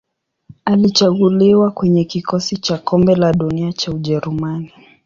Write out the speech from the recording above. Alichaguliwa kwenye kikosi cha Kombe la Dunia cha Ujerumani.